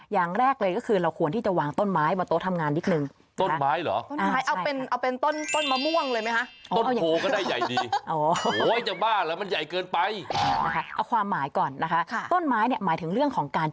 อย่างแรกเลยก็คือเราควรที่จะวางต้นไม้บนโต๊ะทำงานนิดนึง